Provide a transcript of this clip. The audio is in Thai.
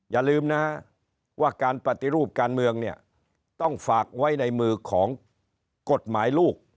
อย่าลืมนะว่าการปฏิรูปการเมืองเนี่ยต้องฝากไว้ในมือของกฎหมายลูก